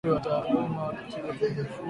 Kutafuta ushauri wa wataalamu wa tiba za mifugo